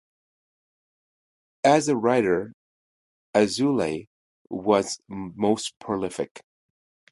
As a writer Azulai was most prolific.